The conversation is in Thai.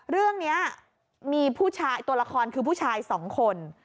เรื่องนี้มีผู้ชายตัวละครคือผู้ชายสองคน